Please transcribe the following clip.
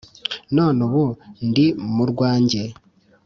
None ubu ndi mu rwanjye!